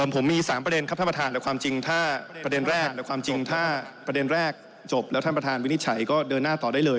ผมมี๓ประเด็นครับท่านประธานแต่ความจริงถ้าประเด็นแรกในความจริงถ้าประเด็นแรกจบแล้วท่านประธานวินิจฉัยก็เดินหน้าต่อได้เลย